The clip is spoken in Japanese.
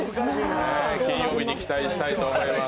金曜日に期待したいと思います。